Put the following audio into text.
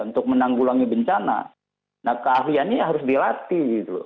untuk menanggulangi bencana nah keahliannya harus dilatih gitu loh